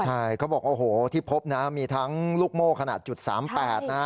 ใช่เขาบอกโอ้โหที่พบนะมีทั้งลูกโม่ขนาด๓๘นะฮะ